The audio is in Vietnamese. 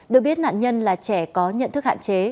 được biết nạn nhân là trẻ có nhận thức hạn chế